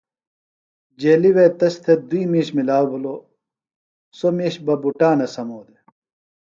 جیلیۡ وے تس تھےۡ دُوئی مِیش ملاؤ بِھلوۡ سوۡ مِیش بہ بُٹانہ سمو دےۡ۔